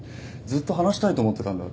ずっと話したいと思ってたんだ。